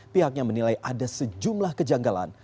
pihaknya menilai ada sejumlah kejanggalan